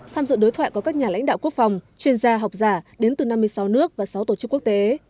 tham dự đối thoại có các nhà lãnh đạo quốc phòng chuyên gia học giả đến từ năm mươi sáu nước và sáu tổ chức quốc tế